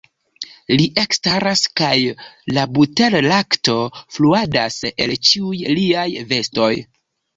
Li ekstaras kaj la buterlakto fluadas el ĉiuj liaj vestoj.